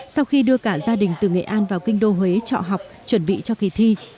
sau khi đưa cả gia đình từ nghệ an vào kinh đô huế trọ học chuẩn bị cho kỳ thi